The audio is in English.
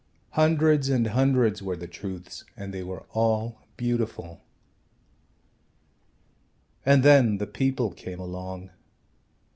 Hundreds and hundreds were the truths and they were all beautiful. And then the people came along.